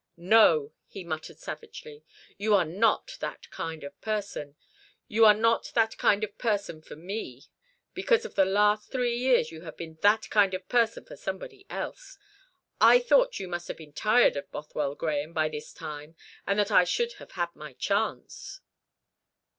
"No," he muttered savagely. "You are not that kind of person. You are not that kind of person for me, because for the last three years you have been that kind of person for somebody else. I thought you must have been tired of Bothwell Grahame by this time, and that I should have had my chance."